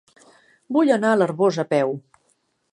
Vull anar a l'Arboç a peu.